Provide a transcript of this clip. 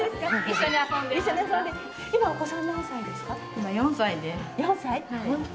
今、４歳です。